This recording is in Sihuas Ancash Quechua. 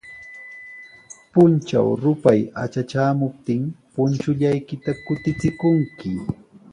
Puntraw rupay atratraamuptin, punchullaykita kutichikunki.